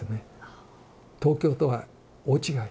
東京とは大違い。